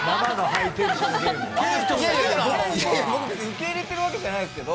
いやいや、僕、受け入れてるわけじゃないですけど。